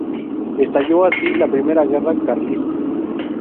Estalló así la Primera Guerra Carlista.